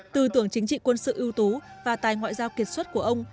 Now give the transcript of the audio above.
từ tưởng chính trị quân sự ưu tú và tài ngoại giao kiệt suất của ông